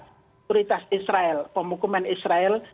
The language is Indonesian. kualitas israel pemukuman israel